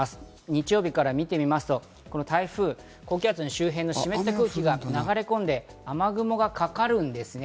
日曜日から見てみますと、台風、高気圧の周辺の湿った空気が流れ込んで雨雲がかかるんですね。